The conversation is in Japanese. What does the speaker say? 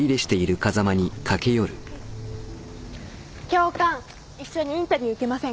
教官一緒にインタビュー受けませんか？